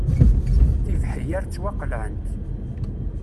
Tibeḥyar ttwaqelɛent.